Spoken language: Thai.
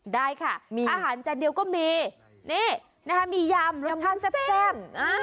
ได้ค่ะมีอาหารจานเดียวก็มีนี่มียำรสชาติแซ่บ